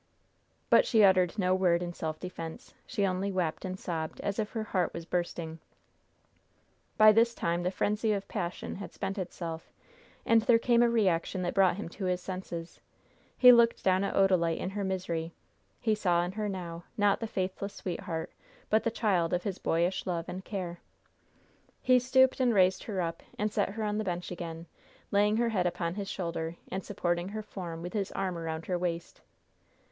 But she uttered no word in self defense; she only wept and sobbed as if her heart were bursting. By this time the frenzy of passion had spent itself, and there came a reaction that brought him to his senses. He looked down at Odalite in her misery. He saw in her now, not the faithless sweetheart, but the child of his boyish love and care. He stooped and raised her up, and set her on the bench again, laying her head upon his shoulder, and supporting her form with his arm around her waist.